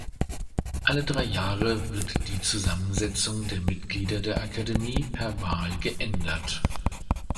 Alle drei Jahre wird die Zusammensetzung der Mitglieder der Akademie per Wahl geändert.